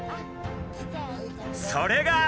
それが！